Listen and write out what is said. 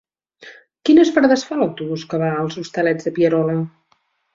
Quines parades fa l'autobús que va als Hostalets de Pierola?